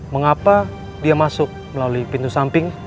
mengapa dia masuk melalui pintu samping